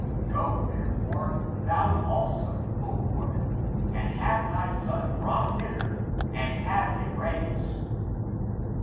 Go, therefore, thou also, O Woman, and have thy son brought hither and have him raised."